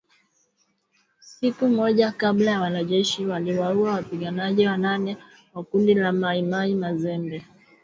Siku moja kabla wanajeshi waliwaua wapiganaji wanane wa kundi la Mai Mai Mazembe